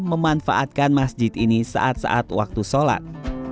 memanfaatkan masjid ini saat saat waktu sholat